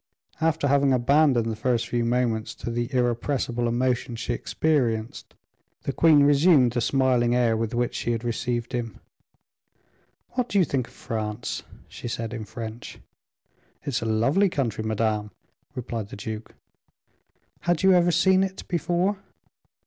After having abandoned the first few moments to the irrepressible emotions she experienced, the queen resumed the smiling air with which she had received him. "What do you think of France?" she said, in French. "It is a lovely country, madame," replied the duke. "Had you ever seen it before?"